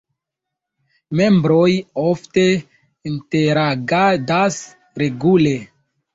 Membroj ofte interagadas regule.